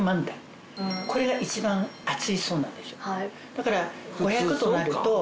だから。